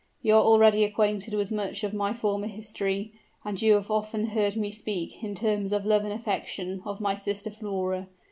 You are already acquainted with much of my former history; and you have often heard me speak, in terms of love and affection, of my sister Flora.